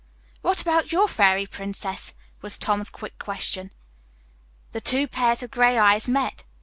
"What about your fairy prince?" was Tom's quick question. The two pairs of gray eyes met.